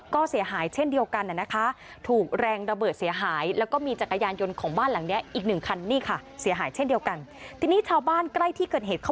ก็เสียหายเช่นเดียวกันอะนะคะถูกแรงระเบิดเสียหายแล้วก็มีจักรยานยนต์ของบ้านหลังเนี้ยอีกหนึ่งคันนี่ค่ะ